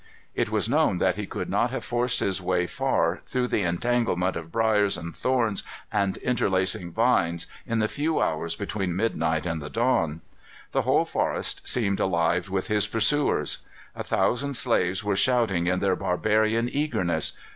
It was known that he could not have forced his way far through the entanglement of briers and thorns and interlacing vines, in the few hours between midnight and the dawn. The whole forest seemed alive with his pursuers. A thousand slaves were shouting in their barbarian eagerness.